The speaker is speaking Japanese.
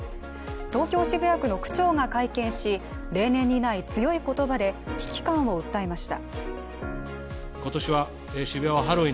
東京・渋谷区の区長が会見し、例年にない強い言葉で危機感を訴えました。